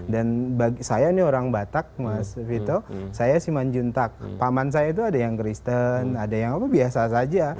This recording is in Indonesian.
dan saya ini orang batak mas vito saya siman juntak paman saya itu ada yang kristen ada yang apa biasa saja